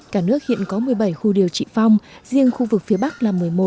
cả nước hiện có một mươi bảy khu điều trị phong riêng khu vực phía bắc là một mươi một